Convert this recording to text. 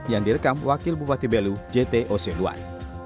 yang direkam wakil bupati belu jt oseluan